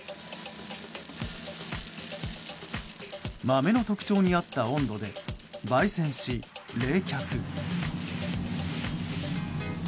豆の特徴に合った温度で焙煎し、冷却。